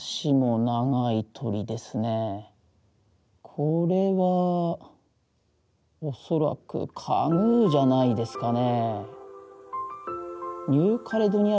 これは恐らくカグーじゃないですかね。